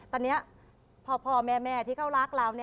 ตอนนี้พ่อแม่ที่เขารักเรา